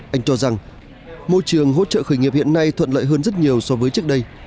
anh cho rằng môi trường hỗ trợ khởi nghiệp hiện nay thuận lợi hơn rất nhiều so với trước đây